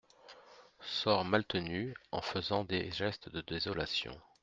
Sort Maltenu en faisant des gestes de désolation.